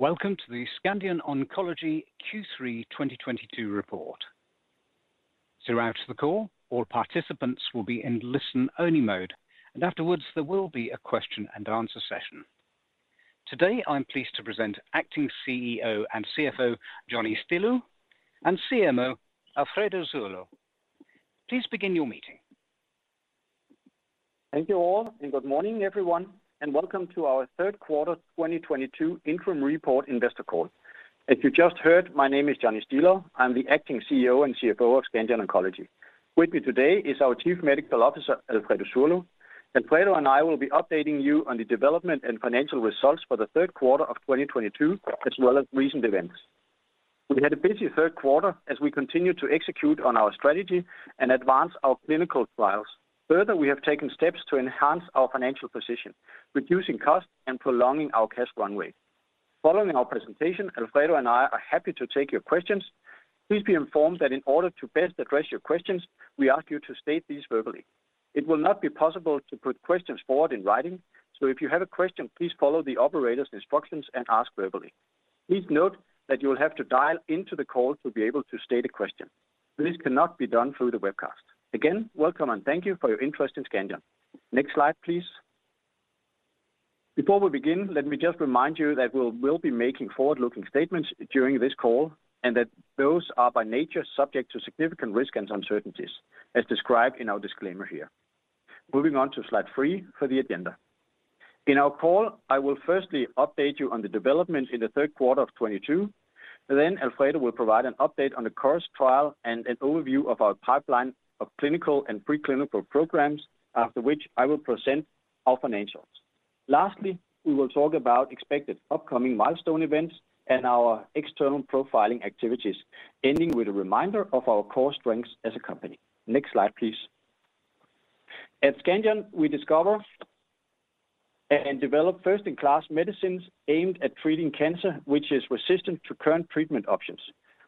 Welcome to the Scandion Oncology Q3 2022 report. Throughout the call, all participants will be in listen-only mode, and afterwards there will be a question and answer session. Today, I'm pleased to present Acting CEO and CFO, Johnny Stilou, and CMO, Alfredo Zurlo. Please begin your meeting. Thank you all, and good morning, everyone, and welcome to our third quarter 2022 interim report investor call. As you just heard, my name is Johnny Stilou. I'm the Acting CEO and CFO of Scandion Oncology. With me today is our Chief Medical Officer, Alfredo Zurlo. Alfredo and I will be updating you on the development and financial results for the third quarter of 2022, as well as recent events. We had a busy third quarter as we continued to execute on our strategy and advance our clinical trials. Further, we have taken steps to enhance our financial position, reducing costs and prolonging our cash runway. Following our presentation, Alfredo and I are happy to take your questions. Please be informed that in order to best address your questions, we ask you to state these verbally. It will not be possible to put questions forward in writing, so if you have a question, please follow the operator's instructions and ask verbally. Please note that you will have to dial into the call to be able to state a question. This cannot be done through the webcast. Again, welcome and thank you for your interest in Scandion. Next slide, please. Before we begin, let me just remind you that we'll be making forward-looking statements during this call and that those are by nature subject to significant risks and uncertainties, as described in our disclaimer here. Moving on to slide three for the agenda. In our call, I will firstly update you on the development in the third quarter of 2022. Alfredo will provide an update on the CORIST trial and an overview of our pipeline of clinical and pre-clinical programs, after which I will present our financials. Lastly, we will talk about expected upcoming milestone events and our external profiling activities, ending with a reminder of our core strengths as a company. Next slide, please. At Scandion, we discover and develop first-in-class medicines aimed at treating cancer, which is resistant to current treatment options.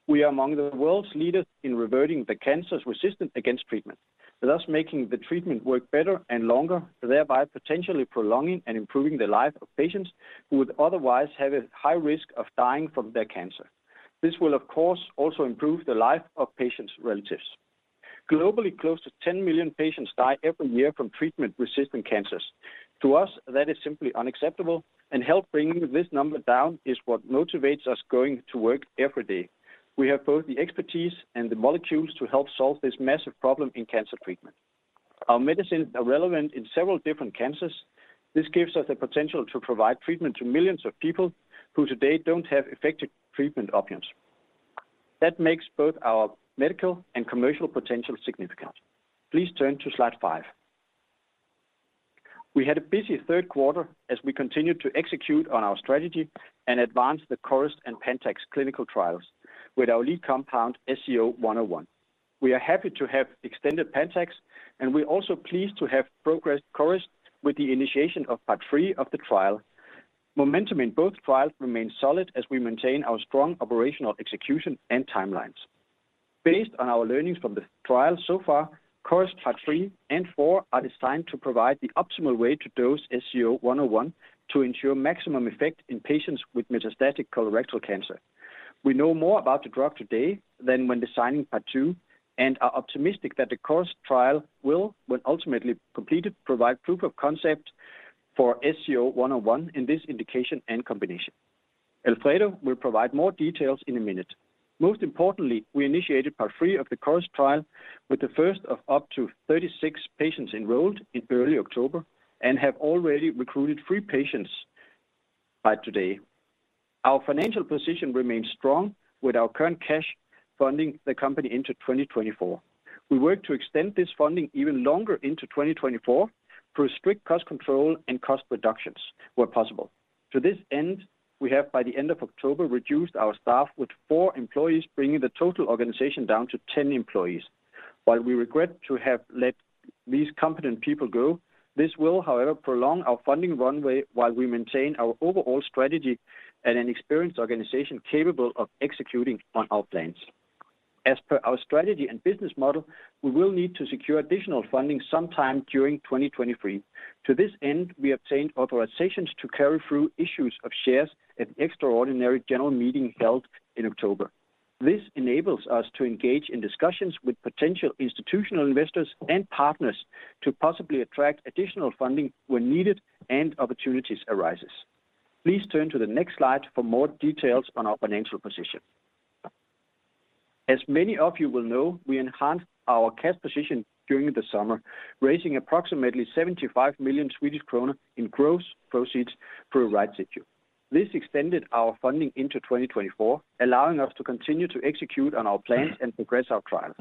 We are among the world's leaders in reverting the cancer's resistance against treatment, thus making the treatment work better and longer, thereby potentially prolonging and improving the life of patients who would otherwise have a high risk of dying from their cancer. This will, of course, also improve the life of patients' relatives. Globally, close to 10 million patients die every year from treatment-resistant cancers. To us, that is simply unacceptable, and help bringing this number down is what motivates us going to work every day. We have both the expertise and the molecules to help solve this massive problem in cancer treatment. Our medicines are relevant in several different cancers. This gives us the potential to provide treatment to millions of people who today don't have effective treatment options. That makes both our medical and commercial potential significant. Please turn to slide five. We had a busy third quarter as we continued to execute on our strategy and advance the CORIST and PANTAX clinical trials with our lead compound, SCO-101. We are happy to have extended PANTAX, and we're also pleased to have progressed CORIST with the initiation of part three of the trial. Momentum in both trials remains solid as we maintain our strong operational execution and timelines. Based on our learnings from the trial so far, CORIST parts three and four are designed to provide the optimal way to dose SCO-101 to ensure maximum effect in patients with metastatic colorectal cancer. We know more about the drug today than when designing part two and are optimistic that the CORIST trial will, when ultimately completed, provide proof of concept for SCO-101 in this indication and combination. Alfredo will provide more details in a minute. Most importantly, we initiated part three of the CORIST trial with the first of up to 36 patients enrolled in early October and have already recruited three patients by today. Our financial position remains strong with our current cash funding the company into 2024. We work to extend this funding even longer into 2024 through strict cost control and cost reductions where possible. To this end, we have, by the end of October, reduced our staff with four employees, bringing the total organization down to 10 employees. While we regret to have let these competent people go, this will, however, prolong our funding runway while we maintain our overall strategy and an experienced organization capable of executing on our plans. As per our strategy and business model, we will need to secure additional funding sometime during 2023. To this end, we obtained authorizations to carry through issues of shares at an extraordinary general meeting held in October. This enables us to engage in discussions with potential institutional investors and partners to possibly attract additional funding when needed and opportunities arises. Please turn to the next slide for more details on our financial position. As many of you will know, we enhanced our cash position during the summer, raising approximately 75 million Swedish kronor in gross proceeds through a right issue. This extended our funding into 2024, allowing us to continue to execute on our plans and progress our trials.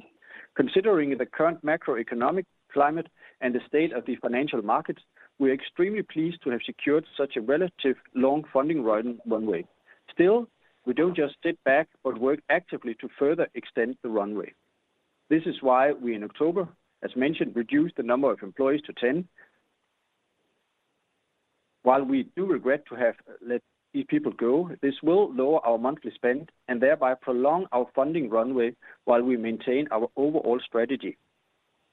Considering the current macroeconomic climate and the state of the financial markets, we are extremely pleased to have secured such a relatively long funding runway. Still, we don't just sit back but work actively to further extend the runway. This is why we, in October, as mentioned, reduced the number of employees to 10. While we do regret to have let these people go, this will lower our monthly spend and thereby prolong our funding runway while we maintain our overall strategy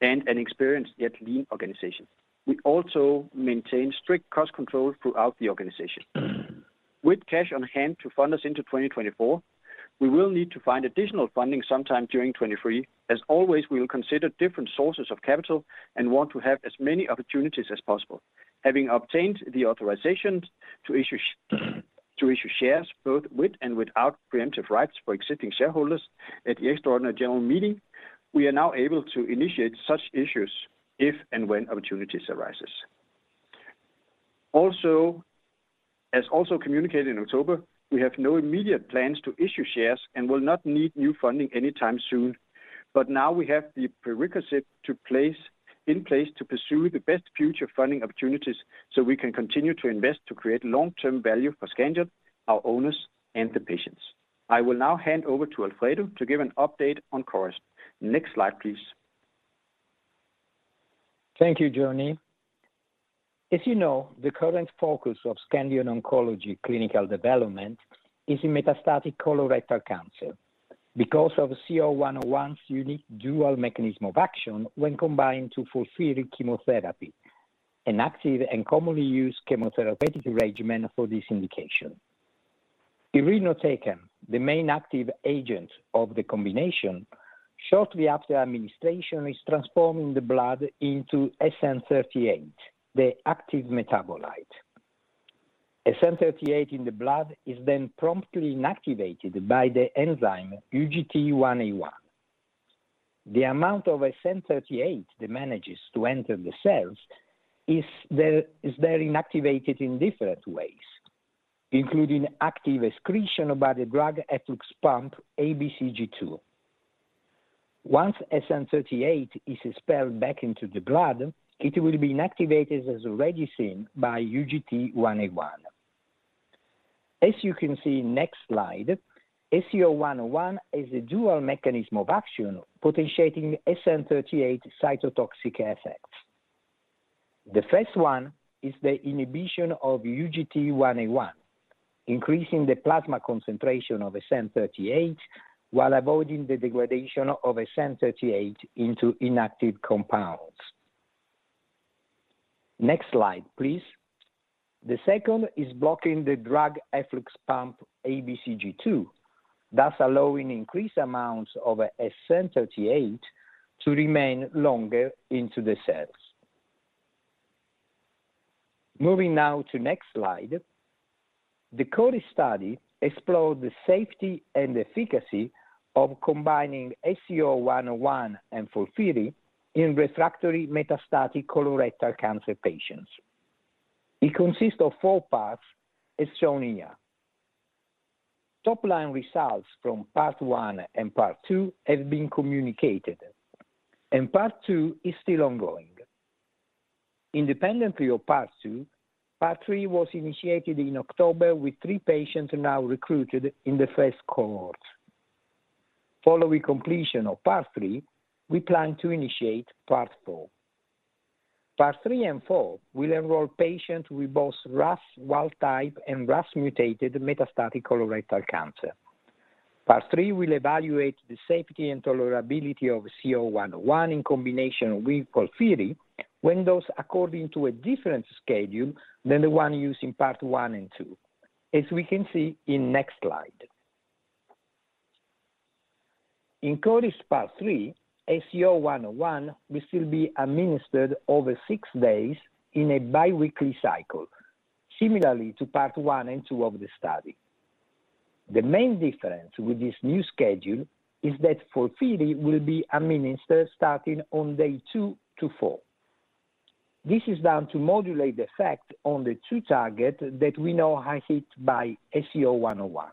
and an experienced yet lean organization. We also maintain strict cost control throughout the organization. With cash on hand to fund us into 2024, we will need to find additional funding sometime during 2023. As always, we will consider different sources of capital and want to have as many opportunities as possible. Having obtained the authorizations to issue shares, both with and without preemptive rights for existing shareholders at the extraordinary general meeting, we are now able to initiate such issues if and when opportunities arises. As also communicated in October, we have no immediate plans to issue shares and will not need new funding anytime soon. Now we have the prerequisite in place to pursue the best future funding opportunities so we can continue to invest to create long-term value for Scandion, our owners, and the patients. I will now hand over to Alfredo to give an update on CORIST. Next slide, please. Thank you, Johnny. As you know, the current focus of Scandion Oncology clinical development is in metastatic colorectal cancer because of SCO-101's unique dual mechanism of action when combined with FOLFIRI chemotherapy, an active and commonly used chemotherapeutic regimen for this indication. Irinotecan, the main active agent of the combination, shortly after administration, is transformed in the blood into SN-38, the active metabolite. SN-38 in the blood is then promptly inactivated by the enzyme UGT1A1. The amount of SN-38 that manages to enter the cells is inactivated in different ways, including active excretion by the drug efflux pump ABCG2. Once SN-38 is expelled back into the blood, it will be inactivated, as already seen, by UGT1A1. As you can see next slide, SCO-101 has a dual mechanism of action potentiating SN-38 cytotoxic effects. The first one is the inhibition of UGT1A1, increasing the plasma concentration of SN-38 while avoiding the degradation of SN-38 into inactive compounds. Next slide, please. The second is blocking the drug efflux pump ABCG2, thus allowing increased amounts of SN-38 to remain longer into the cells. Moving now to next slide. The CORIST study explored the safety and efficacy of combining SCO-101 and FOLFIRI in refractory metastatic colorectal cancer patients. It consists of four parts, as shown here. Top line results from part one and part two have been communicated, and part two is still ongoing. Independently of part two, part three was initiated in October with three patients now recruited in the first cohort. Following completion of part three, we plan to initiate part four. Part three and four will enroll patients with both RAS wild type and RAS-mutated metastatic colorectal cancer. Part three will evaluate the safety and tolerability of SCO-101 in combination with FOLFIRI when dosed according to a different schedule than the one used in part one and two, as we can see in next slide. In CORIST part three, SCO-101 will still be administered over six days in a biweekly cycle. Similarly to part one and two of the study. The main difference with this new schedule is that FOLFIRI will be administered starting on day two-four. This is done to modulate the effect on the two targets that we know are hit by SCO-101.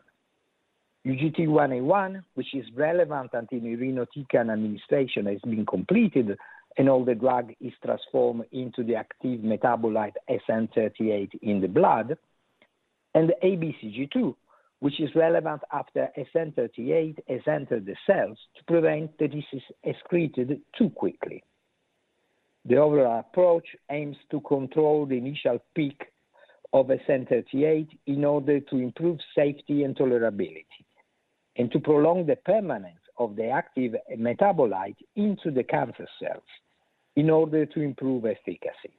UGT1A1, which is relevant until irinotecan administration has been completed and all the drug is transformed into the active metabolite SN-38 in the blood. ABCG2, which is relevant after SN-38 has entered the cells to prevent that this is excreted too quickly. The overall approach aims to control the initial peak of SN-38 in order to improve safety and tolerability and to prolong the permanence of the active metabolite into the cancer cells in order to improve efficacy.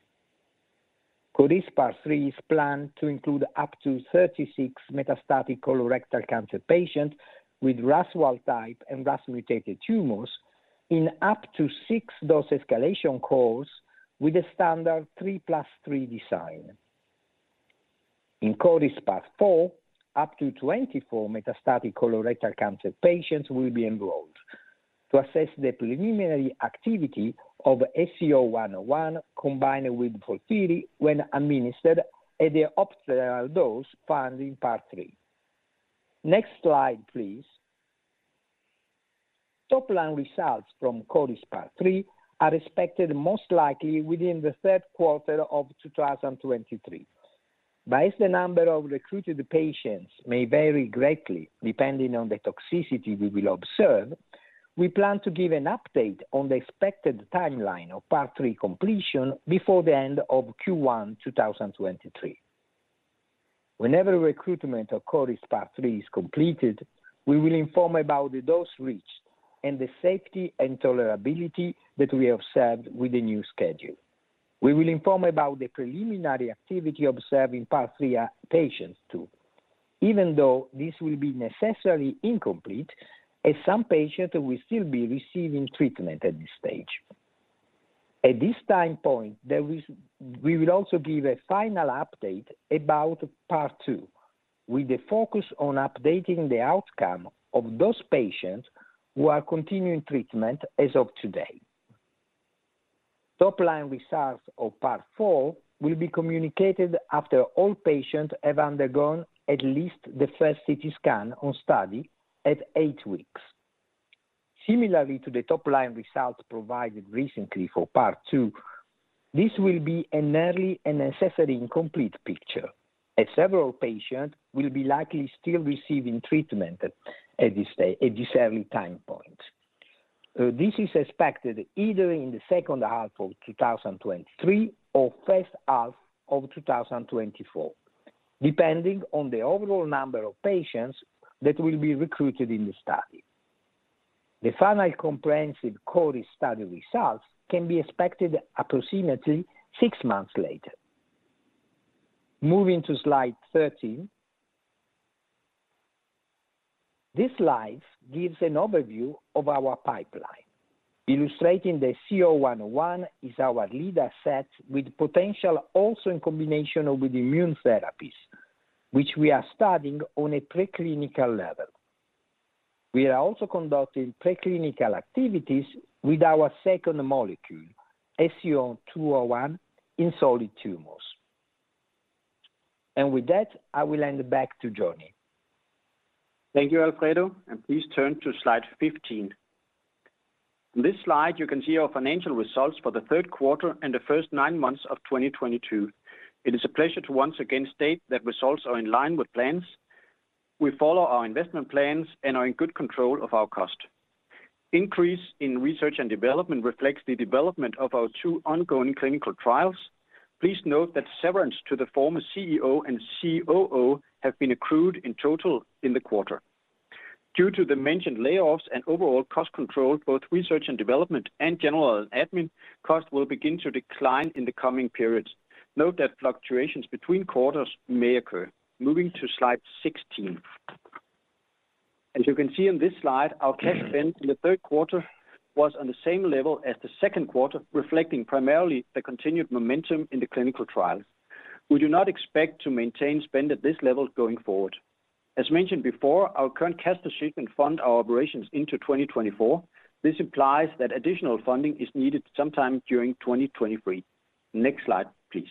CORIST part three is planned to include up to 36 metastatic colorectal cancer patients with RAS wild type and RAS-mutated tumors in up to six dose escalation cohorts with a standard 3+3 design. In CORIST part four, up to 24 metastatic colorectal cancer patients will be enrolled to assess the preliminary activity of SCO-101 combined with FOLFIRI when administered at the optimal dose found in part three. Next slide, please. Top-line results from CORIST part three are expected most likely within the third quarter of 2023. As the number of recruited patients may vary greatly depending on the toxicity we will observe, we plan to give an update on the expected timeline of Part three completion before the end of Q1 2023. Whenever recruitment of CORIST Part three is completed, we will inform about the dose reached and the safety and tolerability that we have observed with the new schedule. We will inform about the preliminary activity observed in Part three patients too, even though this will be necessarily incomplete, as some patients will still be receiving treatment at this stage. At this time point, we will also give a final update about Part two, with the focus on updating the outcome of those patients who are continuing treatment as of today. Top line results of part four will be communicated after all patients have undergone at least the first CT scan on study at eight weeks. Similarly to the top line results provided recently for part two, this will be an early and necessarily incomplete picture, as several patients will be likely still receiving treatment at this early time point. This is expected either in the second half of 2023 or first half of 2024, depending on the overall number of patients that will be recruited in the study. The final comprehensive CORIST study results can be expected approximately six months later. Moving to slide 13. This slide gives an overview of our pipeline. Illustrating the SCO-101 is our lead asset with potential also in combination with immune therapies, which we are studying on a preclinical level. We are also conducting preclinical activities with our second molecule, SCO-201, in solid tumors. With that, I will hand back to Johnny. Thank you, Alfredo. Please turn to slide 15. In this slide, you can see our financial results for the third quarter and the first nine months of 2022. It is a pleasure to once again state that results are in line with plans. We follow our investment plans and are in good control of our cost. Increase in research and development reflects the development of our two ongoing clinical trials. Please note that severance to the former CEO and COO have been accrued in total in the quarter. Due to the mentioned layoffs and overall cost control, both research and development and general admin costs will begin to decline in the coming periods. Note that fluctuations between quarters may occur. Moving to slide 16. As you can see on this slide, our cash spend in the third quarter was on the same level as the second quarter, reflecting primarily the continued momentum in the clinical trial. We do not expect to maintain spend at this level going forward. As mentioned before, our current cash position funds our operations into 2024. This implies that additional funding is needed sometime during 2023. Next slide, please.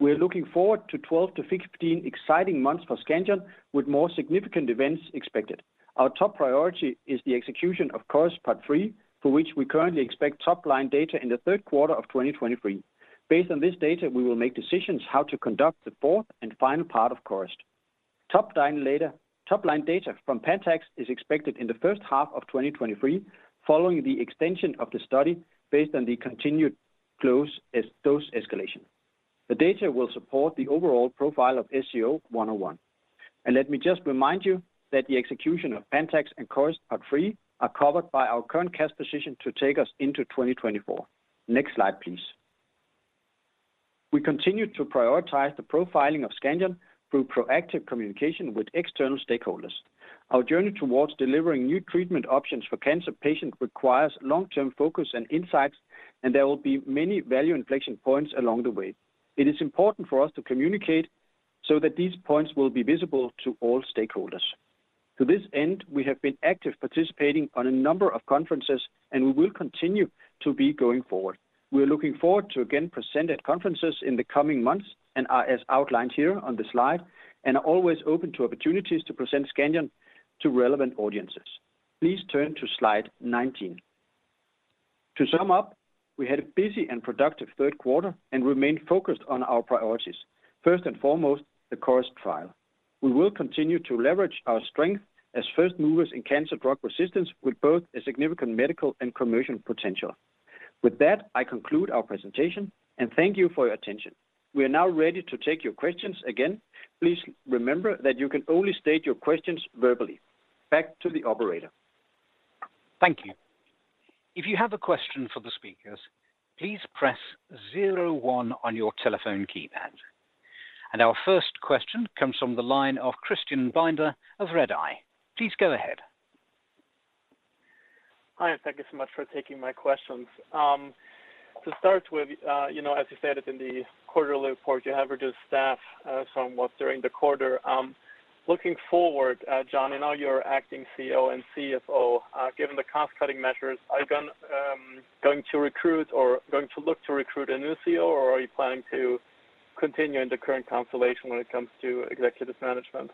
We are looking forward to 12-15 exciting months for Scandion with more significant events expected. Our top priority is the execution of CORIST part three, for which we currently expect top-line data in the third quarter of 2023. Based on this data, we will make decisions how to conduct the fourth and final part of CORIST. Top line data from PANTAX is expected in the first half of 2023, following the extension of the study based on the continued dose escalation. The data will support the overall profile of SCO-101. Let me just remind you that the execution of PANTAX and CORIST Part three are covered by our current cash position to take us into 2024. Next slide, please. We continue to prioritize the profiling of Scandion through proactive communication with external stakeholders. Our journey towards delivering new treatment options for cancer patients requires long-term focus and insights, and there will be many value inflection points along the way. It is important for us to communicate so that these points will be visible to all stakeholders. To this end, we have been actively participating on a number of conferences, and we will continue to be going forward. We are looking forward to again present at conferences in the coming months, and, as outlined here on the slide, are always open to opportunities to present Scandion to relevant audiences. Please turn to slide 19. To sum up, we had a busy and productive third quarter and remain focused on our priorities, first and foremost, the CORIST trial. We will continue to leverage our strength as first movers in cancer drug resistance with both a significant medical and commercial potential. With that, I conclude our presentation, and thank you for your attention. We are now ready to take your questions. Again, please remember that you can only state your questions verbally. Back to the operator. Thank you. If you have a question for the speakers, please press zero one on your telephone keypad. Our first question comes from the line of Christian Binder of Redeye. Please go ahead. Hi, thank you so much for taking my questions. To start with, you know, as you said it in the quarterly report, you have reduced staff somewhat during the quarter. Looking forward, Johnny, and now you're Acting CEO and CFO, given the cost-cutting measures, are you going to look to recruit a new CEO, or are you planning to continue in the current constellation when it comes to executive management?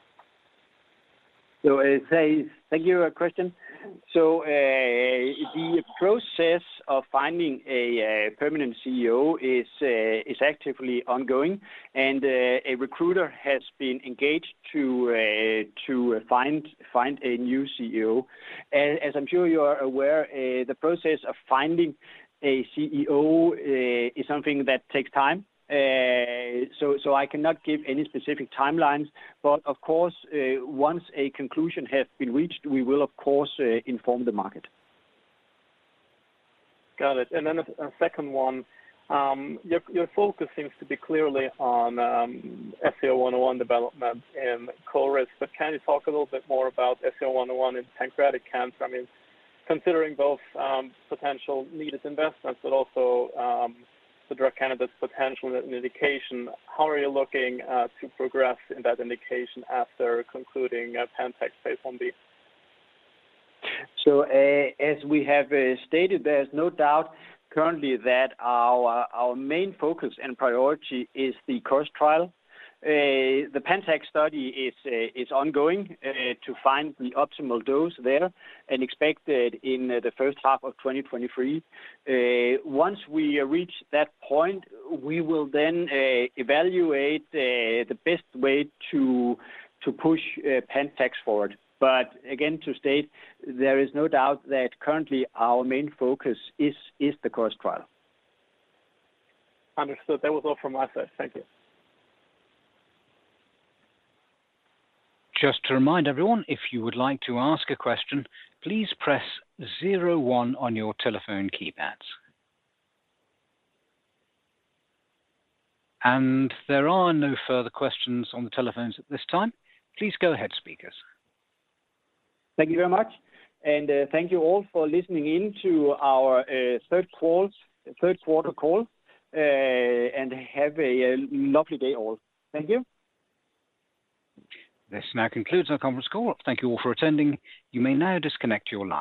Thank you, Christian. The process of finding a permanent CEO is actively ongoing, and a recruiter has been engaged to find a new CEO. As I'm sure you are aware, the process of finding a CEO is something that takes time. I cannot give any specific timelines, but of course, once a conclusion has been reached, we will of course inform the market. Got it. A second one. Your focus seems to be clearly on SCO-101 development in colorectal, but can you talk a little bit more about SCO-101 in pancreatic cancer? I mean, considering both potential needed investments but also the drug candidate's potential in indication. How are you looking to progress in that indication after concluding PANTAX phase Ib? As we have stated, there's no doubt currently that our main focus and priority is the CORIST trial. The PANTAX study is ongoing to find the optimal dose there, and expected in the first half of 2023. Once we reach that point, we will then evaluate the best way to push PANTAX forward. Again, to state, there is no doubt that currently our main focus is the CORIST trial. Understood. That was all from my side. Thank you. Just to remind everyone, if you would like to ask a question, please press zero one on your telephone keypads. There are no further questions on the telephones at this time. Please go ahead, speakers. Thank you very much. Thank you all for listening in to our third quarter call. Have a lovely day all. Thank you. This now concludes our conference call. Thank you all for attending. You may now disconnect your lines.